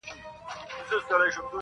چي یې وکتل قصاب نه وو بلا وه٫